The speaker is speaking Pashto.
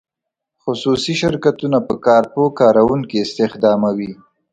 خصوصي شرکتونه په کار پوه کارکوونکي استخداموي.